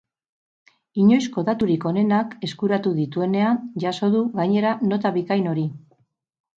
Inoizko daturik onenak eskuratu dituenean jaso du, gainera, nota bikain hori.